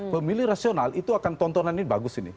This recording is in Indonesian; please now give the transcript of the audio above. pemilih rasional itu akan tontonan ini bagus ini